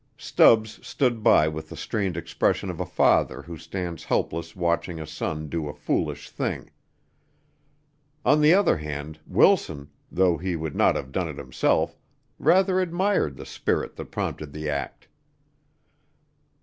Stubbs stood by with the strained expression of a father who stands helpless watching a son do a foolish thing. On the other hand, Wilson, though he would not have done it himself, rather admired the spirit that prompted the act.